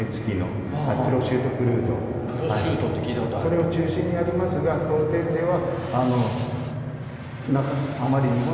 それを中心にやりますが当店では。